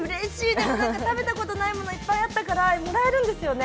でも食べたことがないものがいっぱいあったからもらえるんですよね？